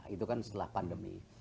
itu kan setelah pandemi